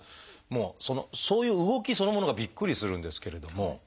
もうそういう動きそのものがびっくりするんですけれども。